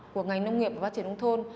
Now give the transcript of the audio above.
của ngành nông nghiệp và phát triển nông thôn